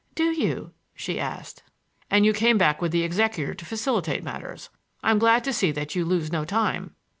"Do you?" she asked. "And you came back with the executor to facilitate matters. I'm glad to see that you lose no time."